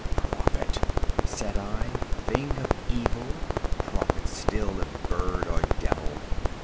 90 "Prophet!" said I, "thing of evil prophet still, if bird or devil!